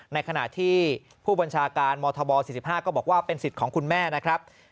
ในขณะที่ผู้บัญชาการมธบ๔๕ก็บอกว่าเป็นสิทธิ์ของคุณแม่นะครับ